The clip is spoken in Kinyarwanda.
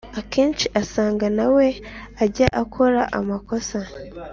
akenshi asanga na we ajya akora amakosa